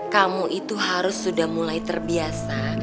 kamu itu harus sudah mulai terbiasa